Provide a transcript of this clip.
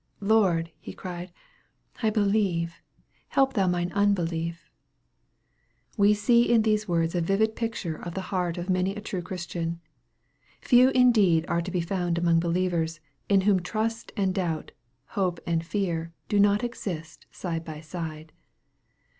" Lord," he cried, " I be lieve ; help thou mine unbelief/' We see in those words a vivid picture of the heart of many a true Christian. Few indeed are to be found among believers, in whom trust and doubt, hope and fear, do not exist side by side.